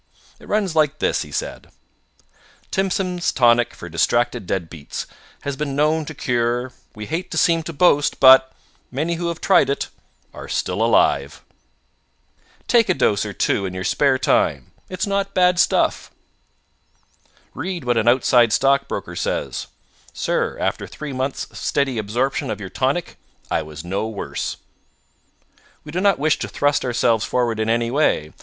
"It runs like this," he said: Timson's Tonic for Distracted Deadbeats Has been known to cure We Hate to Seem to Boast, but Many Who have Tried It Are Still Alive Take a Dose or Two in Your Spare Time It's Not Bad Stuff Read what an outside stockbroker says: "Sir After three months' steady absorption of your Tonic I was no worse." We do not wish to thrust ourselves forward in any way.